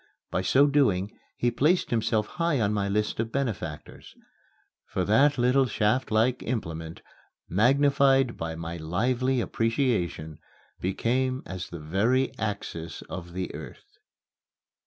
By so doing he placed himself high on my list of benefactors; for that little shaftlike implement, magnified by my lively appreciation, became as the very axis of the earth.